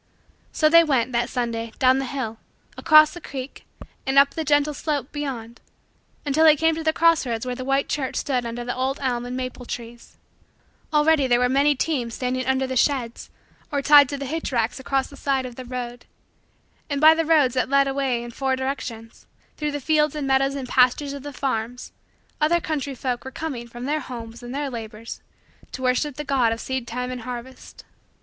So they went, that Sunday, down the hill, across the creek, and up the gentle slope beyond, until they came to the cross roads where the white church stood under the old elm and maple trees. Already there were many teams standing under the sheds or tied to the hitch racks along the side of the road. And by the roads that led away in four directions, through the fields and meadows and pastures of the farms, other country folk were coming from their homes and their labors to worship the God of seedtime and harvest.